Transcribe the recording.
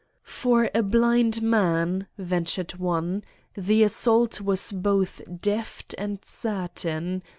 "For a blind man," ventured one, "the assault was both deft and certain.